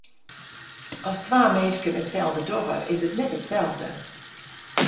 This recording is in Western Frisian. As twa minsken itselde dogge, is it net itselde.